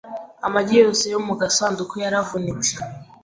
Amagi yose yo mu gasanduku yaravunitse .